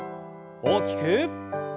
大きく。